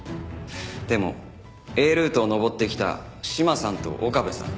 でもＡルートを登ってきた島さんと岡部さん